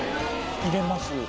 入れます。